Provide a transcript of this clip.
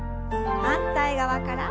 反対側から。